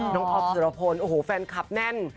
ออฟสุรพลโอ้โหแฟนคลับแน่น